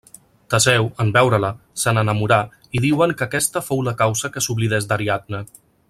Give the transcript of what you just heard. Teseu, en veure-la, se n'enamorà i diuen que aquesta fou la causa que s'oblidés d'Ariadna.